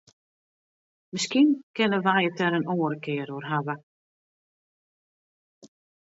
Miskien kinne wy it der in oare kear oer hawwe.